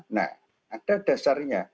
nah ada dasarnya